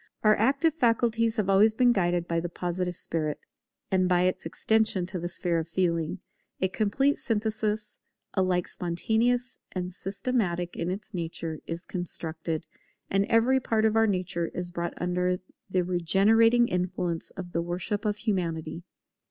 Our active faculties have always been guided by the Positive spirit: and by its extension to the sphere of Feeling, a complete synthesis, alike spontaneous and systematic in its nature, is constructed; and every part of our nature is brought under the regenerating influence of the worship of Humanity.